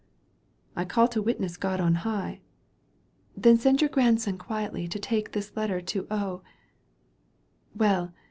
" I call to witness God on high "" Then send your grandson quietly To take this letter to Well